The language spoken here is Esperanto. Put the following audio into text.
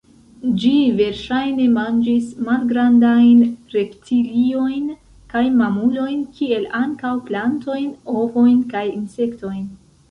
Ĝi verŝajne manĝis malgrandajn reptiliojn kaj mamulojn kiel ankaŭ plantojn, ovojn kaj insektojn.